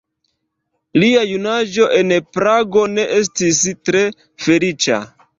Lia junaĝo en Prago ne estis tre feliĉa.